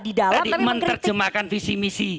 tadi menerjemahkan visi misi